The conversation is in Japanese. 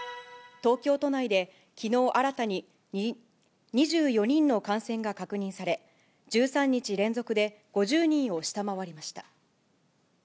東京都内できのう新たに２４人の感染が確認され、１３日連続で５０人を下回りました。